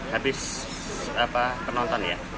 habis penonton ya